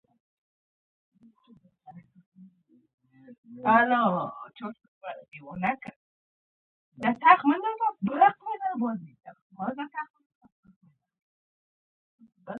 لیکوال د قلم ځواک لري.